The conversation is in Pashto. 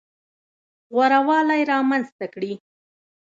غوره والی رامنځته کړي.